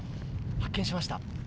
発見しました。